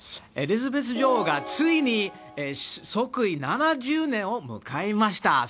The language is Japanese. エリザベス女王がついに即位７０年を迎えました。